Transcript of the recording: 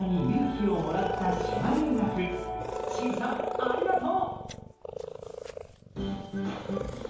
ちゆさんありがとう！